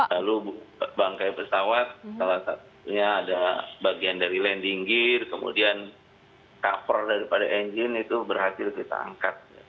lalu bangkai pesawat salah satunya ada bagian dari landing gear kemudian cover daripada engine itu berhasil kita angkat